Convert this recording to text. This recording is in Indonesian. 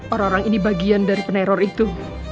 orang orang ini bagian dari peneror itu